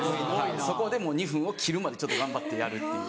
そこでもう２分を切るまで頑張ってやるっていう。